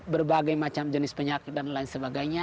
berbagai macam jenis penyakit dan lain sebagainya